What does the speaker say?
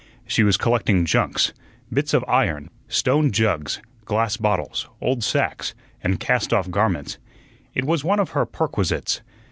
She was collecting junks, bits of iron, stone jugs, glass bottles, old sacks, and cast off garments. It was one of her perquisites.